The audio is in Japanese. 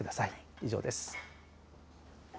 以上です。